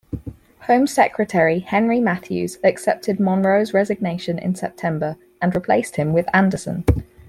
Home Secretary Henry Matthews accepted Monro's resignation in September and replaced him with Anderson.